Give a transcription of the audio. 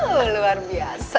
wow luar biasa